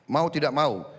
mau tidak mau